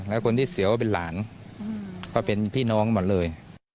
แล้วคนที่เสียวก็เป็นหลานก็เป็นพี่น้องหมดเลย